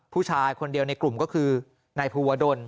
ผู้ชายคนเดียวในกลุ่มก็คือนายภูวดล